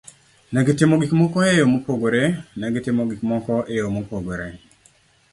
Ne gitimo gik moko e yo mopogore. Ne gitimo gik moko e yo mopogore.